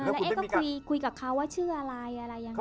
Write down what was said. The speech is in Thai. แล้วเอ๊ะก็คุยกับเขาว่าชื่ออะไรอะไรยังไง